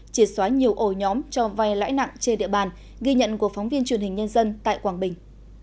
triệt xóa nhiều ổ nhóm cho vay lãi nặng trên địa bàn ghi nhận của phóng viên truyền hình nhân dân tại quảng bình